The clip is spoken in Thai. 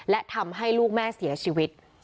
และทำให้ลูกแม่เสียชีวิต